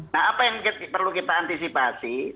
nah apa yang perlu kita antisipasi